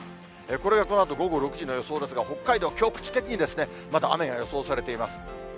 これがこのあと午後６時の予想ですが、北海道、局地的にまだ雨が予想されています。